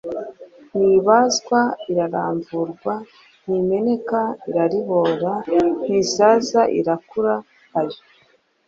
Ntibazwa, iraramvurwa, ntimeneka iraribora, ntisaza irakura. Ayo